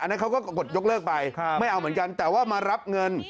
อันนี้เขาก็กดยกเลิกไปไม่เอาเหมือนกัน